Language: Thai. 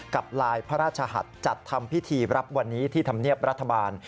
กับลายพระราชหัสจัดทำพิธีรับวันนี้ที่ธรรมเนียบรัฐบาล